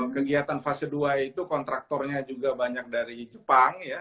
kegiatan fase dua itu kontraktornya juga banyak dari jepang ya